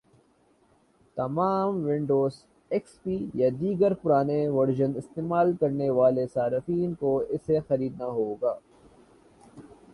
تاہم Windows, X P یا دیگر پرانے ورژن استعمال کرنے والے صارفین کو اسے خریدنا ہوگا